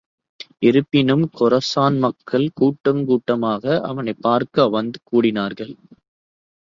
இருப்பினும் கொரசான் மக்கள், கூட்டங்கூட்டமாக அவனைப் பார்க்க வந்து கூடினார்கள்.